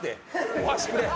お箸くれ。